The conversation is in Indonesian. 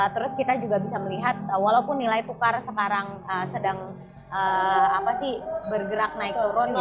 terus kita juga bisa melihat walaupun nilai tukar sekarang sedang bergerak naik turun